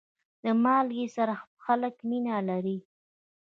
د مالګې سره خلک مینه لري.